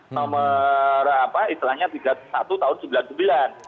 nomor apa istilahnya tiga puluh satu tahun seribu sembilan ratus sembilan puluh sembilan